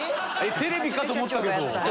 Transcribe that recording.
テレビかと思ったけど。